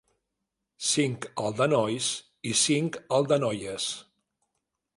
Cinc al de nois i cinc al de noies.